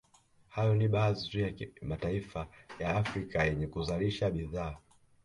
Hayo ni baadhi tu ya mataifa ya Afrika yenye kuzalisha bidhaa